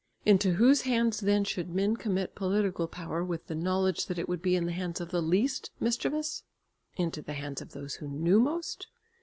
Into whose hands then should men commit political power, with the knowledge that it would be in the hands of the least mischievous? Into the hands of those who knew most?